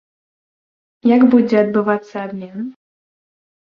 Як будзе адбывацца абмен?